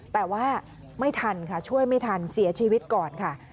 แต่ว่าไม่ทันค่ะช่วยไม่ทันเสียชีวิตก่อนค่ะ